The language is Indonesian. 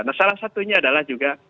nah salah satunya adalah juga